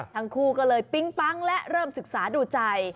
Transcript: ทั้งคู่ก็เลยปิ๊งปั๊งและเริ่มศึกษาดูใจ